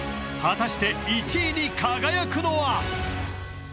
果たして１位に輝くのは？